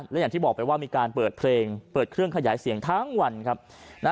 และอย่างที่บอกไปว่ามีการเปิดเพลงเปิดเครื่องขยายเสียงทั้งวันครับ